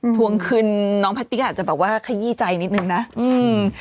ทวงคืนน้องแพตตี้อาจจะแบบว่าขยี้ใจนิดนึงนะอืม